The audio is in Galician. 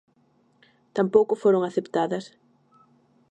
Tampouco foron aceptadas.